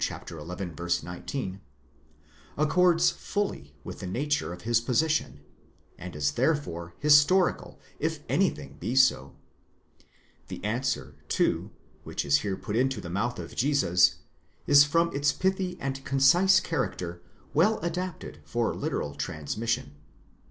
xi. 19), accords fully with the nature of his position, and is therefore historical, if anything be so: the answer, too, which is here put into the mouth of Jesus, 15 from its pithy and concise character well adapted for literal transmission.